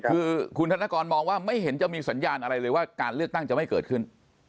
คือคุณธนกรมองว่าไม่เห็นจะมีสัญญาณอะไรเลยว่าการเลือกตั้งจะไม่เกิดขึ้น